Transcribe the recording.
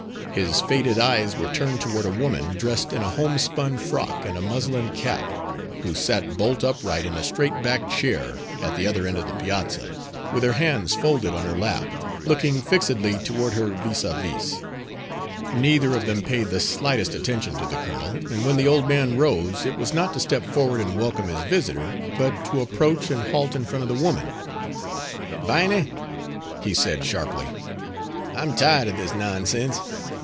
His faded eyes were turned toward a woman, dressed in a homespun frock and a muslin cap, who sat bolt upright, in a straight backed chair, at the other end of the piazza, with her hands folded on her lap, looking fixedly toward her vis à vis. Neither of them paid the slightest attention to the colonel, and when the old man rose, it was not to step forward and welcome his visitor, but to approach and halt in front of the woman. "Viney," he said, sharply, "I am tired of this nonsense.